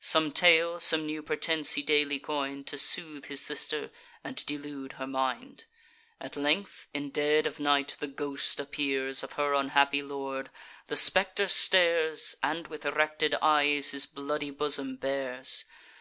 Some tale, some new pretence, he daily coin'd, To soothe his sister, and delude her mind. At length, in dead of night, the ghost appears Of her unhappy lord: the spectre stares, And, with erected eyes, his bloody bosom bares.